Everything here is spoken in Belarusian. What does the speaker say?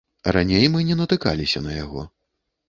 Раней мы не натыкаліся на яго.